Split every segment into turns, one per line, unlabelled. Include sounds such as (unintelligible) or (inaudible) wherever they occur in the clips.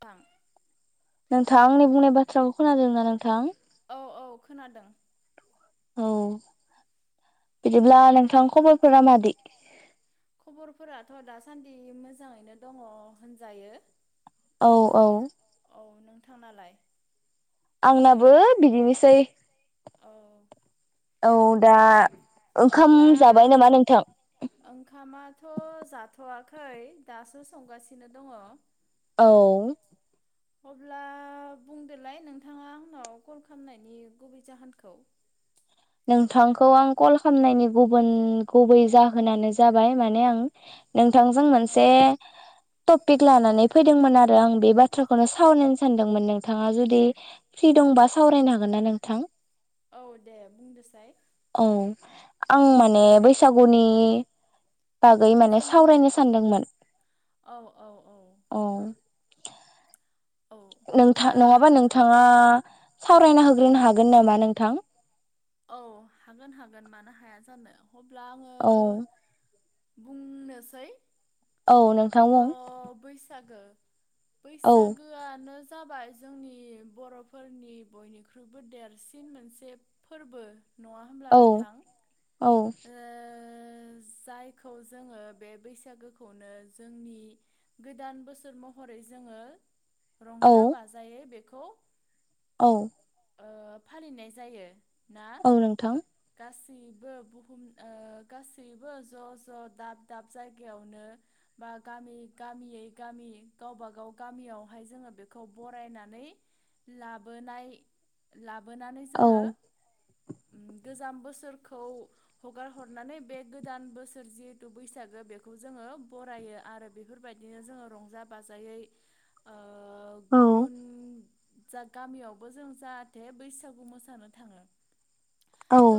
बां
नोंथां आंनि बुंनाय बाथ्राखौ खोनादों ना नोंथां?
औ औ खोनादों।
औ बिदिब्ला नोंथां खबरफोरा मादि?
फोरथ' दासान्दि मोजाङैनो दङ होनजायो।
औ औ
औ नोंथांनालाय?
आंनाबो बिदिनोसै।
औ
औ दा ओंखाम
अब्ला
जाबाय नामा नोंथां?
ओंखामाथ' जाथ'वाखै दासो संगासिनो दङ।
औ
अब्ला बुंदोलाय नोंथाङा आंनाव कल खालामनायनि गुबै जाहोनखौ?
नोंथांखौ आं कल खालामनायनि गुबुन गुबै जाहोनानो जाबाय माने आं नोंथांजों
औ
मोनसे टपिक लानानै फैदोंमोन आरो आं बे बाथ्राखौनो सावरायनो सानदोंमोन नोंथाङा जुदि फ्रि दंबा सावरायनो हागोन ना नोंथां?
औ दे बुंदोसाय
औ आं माने ओ बैसागुनि बागै माने
सोमोन्दै
सावरायनो सानदोंमोन
औ औ
औ
औ
नोंथा
अब्ला
नङाबा नोंथाङा सावरायना होग्रोनो हागोन नामा नोंथां?
औ हागोन हागोन मानो हाया जानो अब्ला आङो
औ
बुंनोसै
औ नोंथां
त
बुं
बैसागो
औ
बैसागो आनो जाबाय जोंनि बरफोरनि बयनिख्रुइबो देरसिन मोनसे फोरबो। नङा होमब्ला
औ
नोंथां
औ
ओ जायखौ जोङो बे बैसागोखौनो जोंनि गोदान बोसोर महरै जोङो
औ
रंजा बाजायै बे खौ
औ
ओ फालिनाय जायो। ना
औ नोंथां
गासै गासैबो बुहुम ओ गासैबो ज ज दाब दाब जायगायावनो बा गामि गामियै गामि गावबा गाव गामियावहाय जोङो बेखौ बरायनानै लाबोनाय लाबोनाय लाबोनानै
औ
जोङो उम गोजाम बोसोरखौ हगार हरनानै बे गोदान बोसोर जिहेथु बैसागो बेखौ जोङो बरायो आरो बेफोरबायदिनो जोङो रंजा बाजायै ओ ओ
औ
गुबुन जा गामियावबो जों जाहाथे बैसागु मोसानो थाङो।
औ
त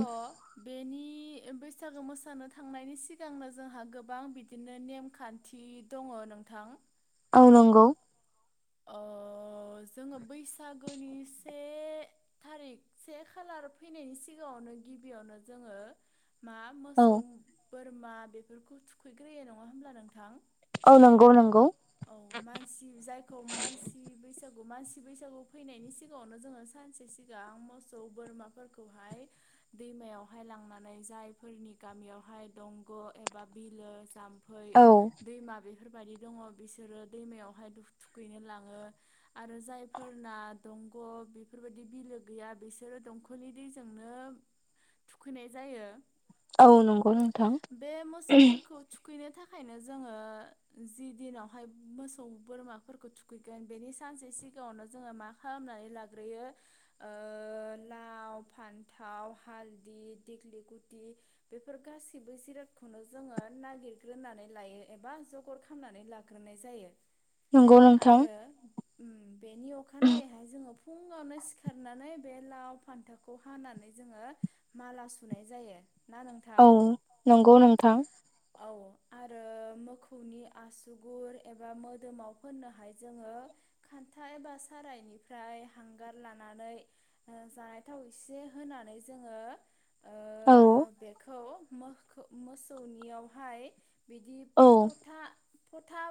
बेनि नि बैसागो मोसानो थांनायनि सिगांनो जोंहा गोबां बिदिनो नेमखान्थि दङ नोंथां
औ नंगौ
अ जोङो बैसागोनि से थारिख से खालार फैनायनि सिगाङावनो गिबियावनो जोङो मा
औ
मोसौ बोरमा बेफोरखौ थुखैग्रोयो नङा होमब्ला नोंथां
औ नंगौ नंगौ
औ मानसि जायखौ मानसि बैसागु मानसि बैसागु फैनायनि सिगाङावनो जोङो सानसे सिगां मोसौ बोरमाफोरखौहाय दैमायावहाय लांनानै जायफोरनि गामियावहाय दंग' एबा बिलो जाम फै
औ
दैमा बे बेफोरबायदि दङ बिसोरो दैमायावहाय दु थुखैनो लाङो आरो जायफोरना दंग' बेफोरबायदि बिलो गैया बिसोरो दंखलनि दैजोंनो थुखैनाय जायो।
औ नंगौ नोंथां
बे मोसौफोरखौ थुखैनो थाखाय ओंखायनो जोङो जि दिनावहाय मोसौ बोरमाखौ फोरखौ थुखैगोन बेनि सानसे सिगाङावनो जोङो मा खालामनानै लाग्रोयो लाव फान्थाव हालदि देग्लि लिति बेफोर गासैखौबो जिरादखौनो जोङो नागिरग्रोनानै लायो एबा जगर खालामनानै लाग्रोनाय जायो।
नंगौ नोंथां।
आरो उम बेनि अखानायैहाय जोङो फुङावनो सिखारनानै बे लाव फान्थावखौ हानानै जोङो माला सुनाय जायो। ना
औ
नोंथां?
नंगौ नोंथां
औ आरो मोखौनि आसुगुर एबा मोदोमाव फोननोहाय जोङो खान्था एबा सारायनिफ्राय हांगार लानानै ओ जानाय थाव एसे होनानै जोङो ओ
औ
बेखौ मोखौ मोसौनियावहाय बिदि
औ
फोथा फोथा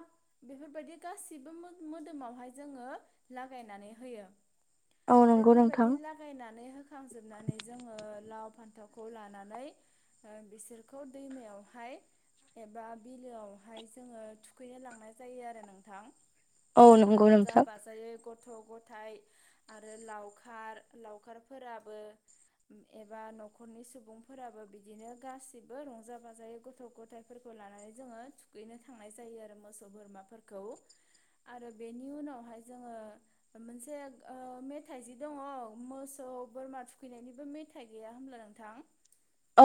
बेफोरबायदि गासिबो मो-मोदोमावहाय जोङो लागायनानै होयो
औ नंगौ नोंथां
बेफोरबायदि लागायनानै बोखांजोबनानै जोङो लाव फान्थावखौ लानानै ओ बिसोरखौ दैमायावहाय एबा बिलोआवहाय जोङो थुखैनो लांनाय जायो आरो नों थां
औ नंगौ
रंजा
नोंथां
बाजायै ग गथ गथायाइ आरो लावखार लावखारफोराबो एबा नखरनि सुबुंफोराबो बिदिनो गासिबो रंजा बाजायै गथ गथायफोरखौ लानानै जोङो थुखैनो थांनाय जायो आरो मोसौ बोरमाफोर खौ आरो बेनि उनावहाय जोङो मोनसे ओ मेथाइ जि दङ मोसौ बोरमा थुखैनायनिबो मेथाइ गैया होमब्ला नोंथां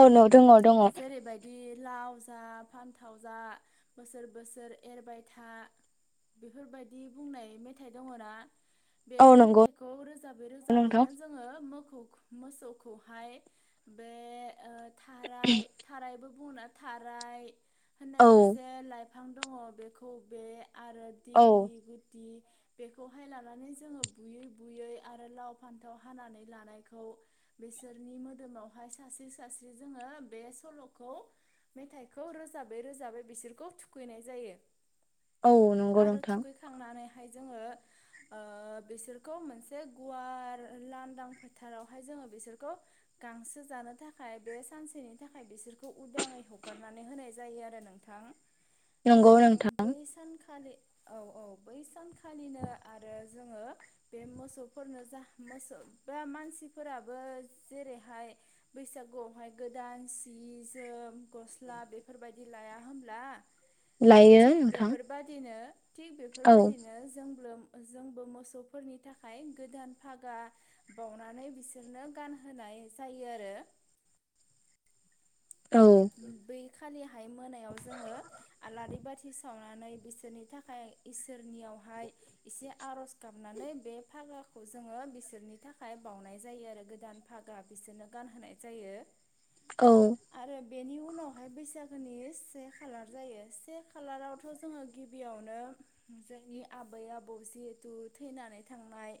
औ न दङ दङ
जेरैबायदि लाव जा फानथाव जा बोसोर बोसोर एरबाय था बेफोरबायदि बुंनाय मेथाइ दङ ना बे
औ नंगौ
मेथाइखौ रोजाबै
नोंथां
रोजाबैनो जोङो मोखौ मोसौखौहाय बे ओ थाराय थारायबो बुङोना थाराय होननाय
औ
मोनसे लाइ फां दङ बेखौ बे आरो
औ
दिग्लि गुति बेखौहाय लानानै जोङो बुयै बुयै आरो लाव फान्थाव हानानै लानायखौ बिसोरनि मोदोमावहाय सास्रि सस्रि जोङो बे सलखौ मेथाइखौ रोजाबै रोजाबै बिसोरखौ थुखैनाय जायो
औ नंगौ नोंथां
हाय जोङो ओ बिसोरखौ मोनसे गुवार लांदां फोथारावहाय जोङो बिसोरखौ गांसो जानो थाखाय बे सानसेनि थाखाय बिसोरखौ उदाङै हगारनानै होनाय जायो आरो नोंथां
नंगौ नोंथां
खालि औ औ बै सानखालिनो आरो जोङो बे मोसौफोरनो जा मोसौ मानसिफोराबो जेरैहाय बैसागुआवहाय गोदान सि जोम गस्ला बेफोरबायदि लाया होनब्ला
लायो नोंथां
बादिनो थिग
औ
बेफोरबायदिनो (unintelligible) जोंबो मोसौफोरनि थाखाय गोदान फागा बाउनानै बिसोरनो गानहोनाय जायो आरो
औ
बेै खालिहाय मोनायाव जोङो आलारि बाथि सावनानै बिसोरनि थाखाय इसोरनियावहाय एसे आरज गाबनानै बे फागाखौ जोङो बिसोरनि थाखाय बावनाय जायो आरो गोदान फागा बिसोरनो गानहोनाय जायो
औ
आरो बेनि उनावहाय बैसागोनि से खालार जायो से खालारावथ जोङो गिबियावनो जोंनि आबै आबौ जिहेथु थैनानै थांनाय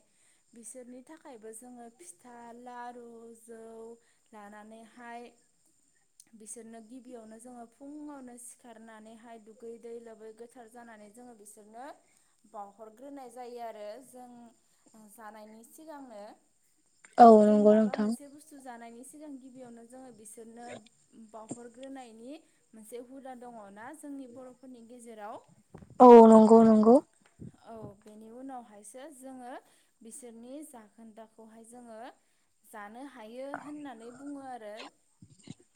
बिसोरनि थाखायबो जोङो फिथा लारु जौ लानानैहाय बिसोरनो गिबियावनो जोङो फुङावनो सिखारनानैहाय दुगै दै लोबै गोथार जानानै जोङो बिसोरनो बावहरग्रोनाय जायो आरो जों जानायनि सिगांनो
औ
जों
नंगौ
माबा
नोंथां।
मोनसे बुस्थु जानायनि सिगां गिबियावनो जोङो बिसोरनो बावहरग्रोनायनि मोनसे हुदा दङ' ना जोंनि बर'फोरनि गेजेराव
औ नंगौ नंगौ।
औ बेनि उनावहायसो जोङो बिसोरनि जाखोन्दाखौहाय जोङो जानो हायो होननानै बुङो आ रो।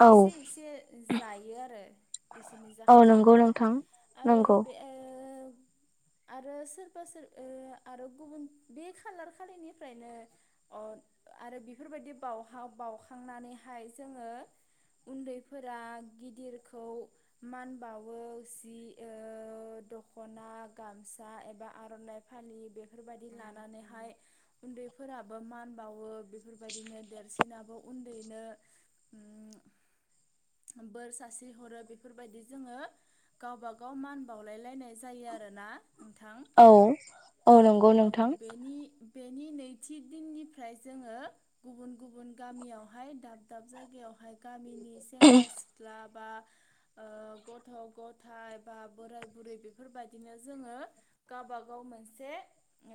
औ
इसे एसे जायो आरो बिसोरनि
औ नंगौ
जाखान्दाखौ
नोंथां
आरो
नंगौ
बे ओ आरो सोरबा सोरा आरो गुबुन बे खालार खालिनिफ्रायनो अ आरो बेफोरबायदि बावहाब बावखांनानैहाय जोङो उन्दैफोरा गिदिरखौ मान बावो जि ओ दख'ना गामसा एबा आर'नाइ फालि बेफोरबायदि लानानैहाय उन्दैफोराबो मान बावो बेफोरबायदिनो देरसिनाबो उन्दैनो उम बोर सास्रि हरो बेफोरबायदि जोङो गावबा गाव मान बावलायलायनाय जायो आरो ना।
औ औ नं
औ बेनि बेनि नैथि दिननिफ्राय जोङो गुबुन गुबुन गामियावहाय दाब दाब जायगायावहाय गा मिनि सेंग्रा सिख्ला बा ओ गथ' गथाय बा बोराय बुरै बेफोरबायदिनो जोङो गावबा गाव मोनसे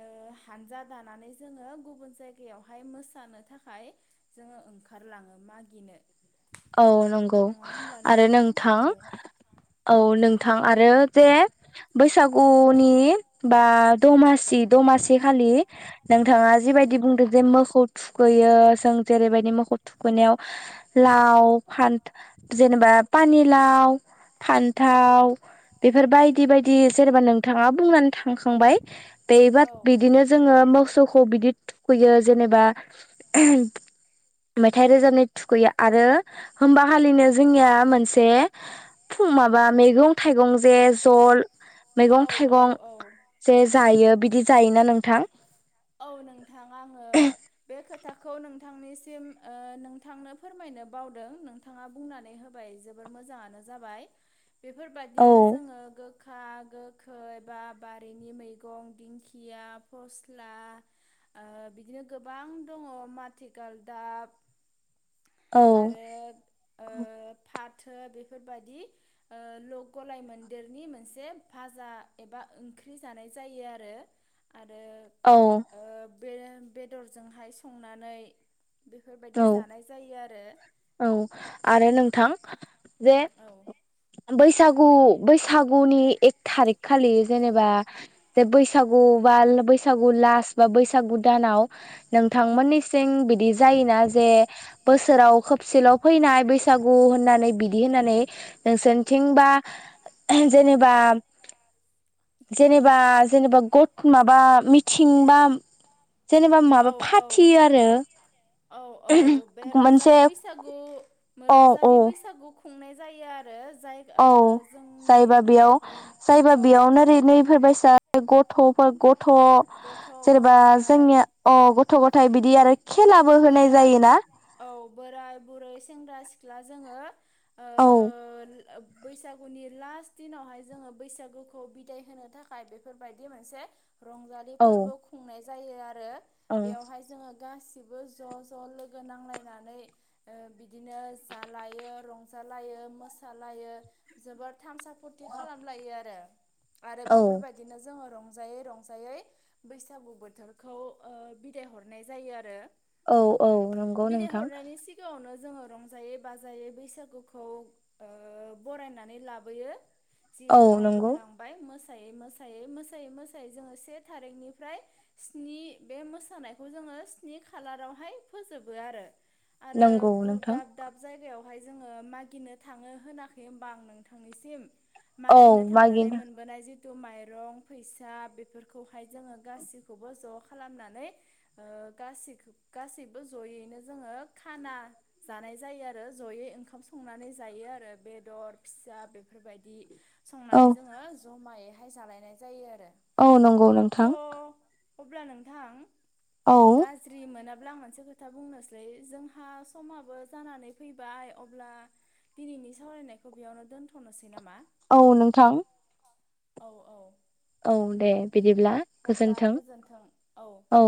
ओ हानजा दानानै जोङो गुबुन जायगायावहाय मोसानो थाखाय जोङो ओंखारलाङो मागिनो।
औ नंगौ
नङा होमब्ला
आरो नोंथां
औ
औ नों थां
औ
आरो जे बैसागुनि बा दमासि दमासि खालि नोंथाङा जिबायदि बुंदों जे मोसौ थु खैयो जों जेरैबायदि मोखौ थुखैनायाव ला फान जेनेबा पानि लाव फान्थाव बेफोर बाय दि बायदि जेनेबा नोंथाङा बुंनानै थांखांबाय बेबा बिदिनो जोङो मो सौखौ बिदि थुखैयो जेनेबा मेथाइ रोजाबनाय थुखैयो आरो होमबा हालिनो जोंनिया मोनसे फ माबा
उम
मैगं थाइगं जे जल
औ
मैगं
औ
थाइगं
औ
जे जायो बि जायोना नोंथां।
औ नोंथां आङो बे खो खोथाखौ नोंथांनिसिम ओ नोंथांनो फोरमायनो बावदों नोंथाङा बुंनानै होबाय जोबोर मोजाङानो जाबाय।
औ
बेफोरबायदिनो जोङो गो खा गोखै बा बारिनि मैगं दिंखिया फस्ला। ओ बिदिनो गोबां दङ माथिगालदाब
औ
आरो ओ पात थो बेफोर बादि ओ लक गलाय मोन्देरनि मोनसे फाजा एबा ओंख्रि जानाय जायो आरो आरो।
औ।
ओ बे बेदरजोंहाय संनानै। बेफोरबायदि
औ
जानाय जायो आरो
औ आरो नोंथां। जे
औ
बैसाग। गु बैसागुनि एक थारिख खालि जेनेबा जे बैसागु बा बैसागु लास्ट बा बैसागु दानाव।
औ
नोंथांमोन निसिं बिदि जायो। जे बोसोराव खोबसेल' फैनाय बैसागु होननानै बिदि होननानै नोंसोरथिंबा जेनेबा। बा जेनेबा गद माबा मिथिं बा जेनेबा
औ
माबा
औ
फाथियो आरो।
औ औ बे
मोनसे।
रंजालि बैसागु
औ
रंजालि
औ
बैसागु। संनाय जायो आरो। जाय
औ
ओ जोंनि
जायबा बेयाव जायबा
ओ औ
बेयाव नोरै नैफोरबायसा। गथ'फा गथ।
गथ'
थ' जेनेबा
गथाइ
जोंनिया अ गथ'। थाय बिदि आरो। खेलाबो होनाय
बोरा
जायोना
औ बोराय बुरै सेंग्रा सिख। ला जोङो। ओ
औ।
बैसागुनि लास्ट दिनावहाय जोङो बैसागुखौ बिदाय होनो थाखाय बेफोरबायदि मोनसे। रंजालि
औ
फोरबो खुंनाय। जायो आरो आरो
ओं
बेयावहाय जोङो गासैबो बो ज' ज' लोगो नांलायनानै ओ बिदिनो जालायो रंजालायो मोसालायो जोबोर थामसाफुरथि खालामलायो आरो आरो
औ
बेफोरबायदिनो जोङो रं रंजायै रंजायै बैसागु बोथोरखौ ओ बिदाय हरनाय जायो आरो
औ औ नंगौ
बिदाय
नोंथां
हरनायनि सिगाङावनो जोङो रंजायै बाजायै बैसागुखौ ओ बरायनानै लाबोयो
औ
जिहेथु आं
नंगौ
बुंलांबाय मोस मोसायै मोसायै मोसायै जोङो से थारिखनिफ्राय स्नि बे मोसानायखौ जोङो स्नि खालारावहाय फोजोबो आरो आरो
नंगौ
गुब
नोंथां
दाब दाब जायगायाव ओमफाय जोंङो मागिनो थांङो होनाखै होनबा आं नोंथांनिसिम
औ
मागिनो थांनानै
मागिनो
मोनबोनाय जि (unintelligible) गासैबो जयैनो जोंङो खाना जानाय जायो आरो जयै ओंखाम संनानै जायो आरो बेदर फिसा बेफोरबायदि
औ
संनानै जोंङो जमायै जालायनाय जायो आरो
औ नोंगौ नोंथां
थ' अब्ला नोंथां
औ
गाज्रि मोनाब्ला आं मोनसे खोथा बुंनोसलै जोंहा समाबो जानानै फैबाय अब्ला दिनैनि सावरायनायखौ बेयावनो दोनथ'नोसै नामा
औ नोंथां
औ औ
औ दे बिदिब्ला गोजोन्थों औ